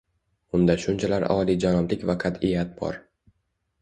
Unda shunchalar oliyjanoblik va qat’iyat bor.